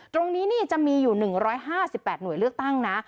ตรงนี้นี่จะมีอยู่๑๕๘หน่วยเลือกตั้งนะ